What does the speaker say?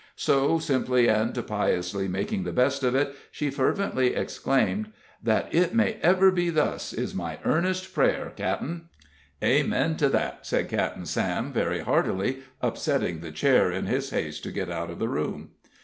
So, simply and piously making the best of it, she fervently exclaimed: "That it may ever be thus is my earnest prayer, cap'en." "Amen to that," said Captain Sam, very heartily, upsetting the chair in his haste to get out of the room.